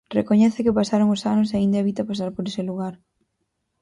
Recoñece que pasaron os anos e aínda evita pasar por ese lugar.